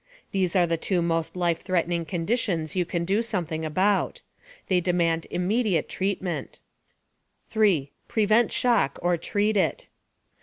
_ These are the two most life threatening conditions you can do something about. They demand immediate treatment (see pages 58 and 61). 8. _Prevent shock, or treat it.